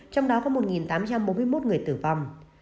trong đó có một tám trăm bốn mươi một người tử vong